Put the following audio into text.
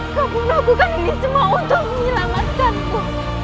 kamu menegurkan ini semua untuk menyelamatkanku